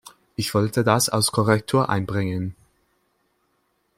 Ich wollte das als Korrektur einbringen.